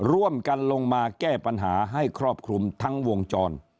ร่วมกันลงมาแก้ปัญหาให้ครอบคลุมทั้งวงจร